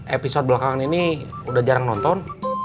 episode belakangan ini udah jarang nonton